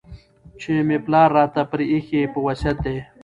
چي مي پلار راته پرې ایښی په وصیت دی